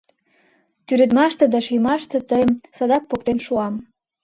Тӱредмаште да шиймаште тыйым садак поктен шуам.